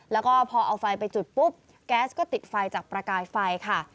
แล้วก็พอเอาไฟไปจุดปุ๊บแก๊สก็ติดไฟจากประกายไฟค่ะ